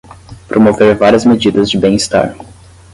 Promover várias medidas de bem-estar